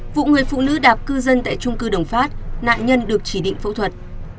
vụ người phụ nữ đạp cư dân tại trung cư đồng phát nạn nhân được chỉ định phẫu thuật